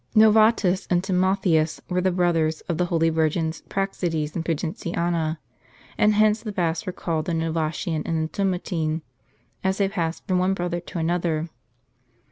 ISTovatus and Timo theus were the brothers of the holy virgins Praxedes and Pudentiana ; and hence the baths were called the Nova tian and the Timotine, as they passed from one brother to another.